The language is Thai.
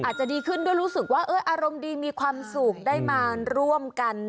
อาจจะดีขึ้นด้วยรู้สึกว่าอารมณ์ดีมีความสุขได้มาร่วมกัน